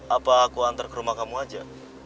apa aku antar ke rumah kamu aja